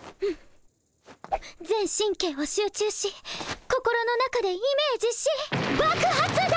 全神経を集中し心の中でイメージし爆発だ！